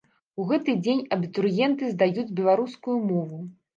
У гэты дзень абітурыенты здаюць беларускую мову.